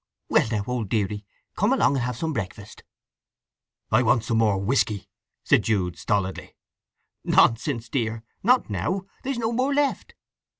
"Well now, old deary, come along and have some breakfast." "I want—some—more whisky," said Jude stolidly. "Nonsense, dear. Not now! There's no more left.